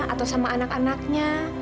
atau sama anak anaknya